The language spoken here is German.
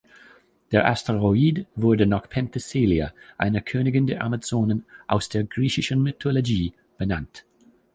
Der Asteroid wurde nach Penthesilea, einer Königin der Amazonen aus der griechischen Mythologie, benannt.